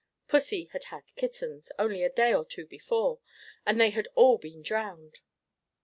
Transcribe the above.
Pussy had had kittens, only a day or two before, and they had all been drowned.